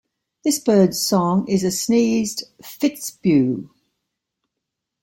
This bird's song is a sneezed "fitz-bew".